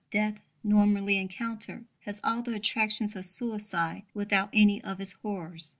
Death, normally encountered, has all the attractions of suicide without any of its horrors.